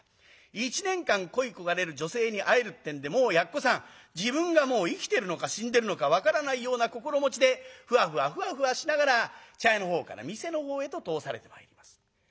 一年間恋い焦がれる女性に会えるってんでもうやっこさん自分がもう生きてるのか死んでるのか分からないような心持ちでふわふわふわふわしながら茶屋のほうから店のほうへと通されてまいります。